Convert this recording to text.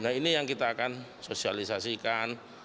nah ini yang kita akan sosialisasikan